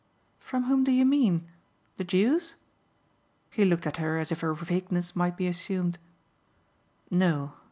"From whom do you mean the Jews?" He looked at her as if her vagueness might be assumed. "No.